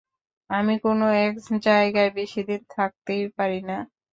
আমি কোনো এক জায়গায় বেশিদিন থাকতেই পারি নি।